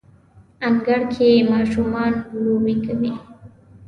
انګړ کې ماشومان لوبې کوي